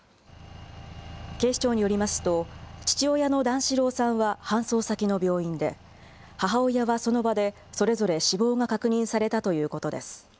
警視庁によりますと、父親の段四郎さんは搬送先の病院で、母親はその場でそれぞれ死亡が確認されたということです。